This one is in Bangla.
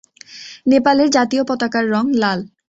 নেপালের জাতীয় পতাকার রং লাল।